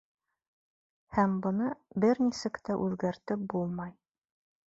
Һәм быны бер нисек тә үҙгәртеп булмай.